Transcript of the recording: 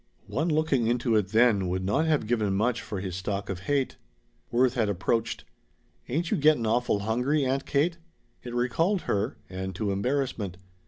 One looking into it then would not have given much for his stock of hate. Worth had approached. "Ain't you getting awful hungry, Aunt Kate?" It recalled her, and to embarrassment.